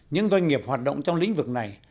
những doanh nghiệp hoạt động trong lĩnh vực này